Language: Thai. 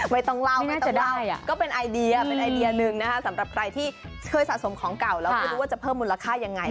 ไม่ต้องเล่าก็เป็นไอเดียหนึ่งนะสำหรับใครที่เคยสะสมของเก่าแล้วก็รู้ว่าจะเพิ่มมูลค่ายังไง